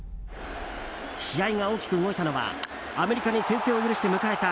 試合が大きく動いたのはアメリカに先制を許して迎えた